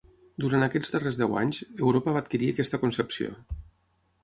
Durant aquests darrers deu anys, Europa va adquirir aquesta concepció.